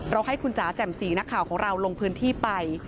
ให้คุณจ๋าแจ่มสีนักข่าวของเราลงพื้นที่ไป